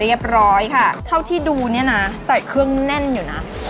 เรียบร้อยค่ะเท่าที่ดูเนี่ยนะใส่เครื่องแน่นอยู่นะ